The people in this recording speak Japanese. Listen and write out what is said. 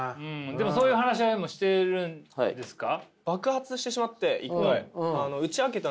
でもそういう話し合いもしてるんですか？